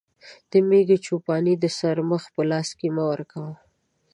د مېږو چو پاني د شرمښ په لاس مه ورکوه.